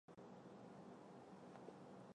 歧伞香茶菜为唇形科香茶菜属下的一个种。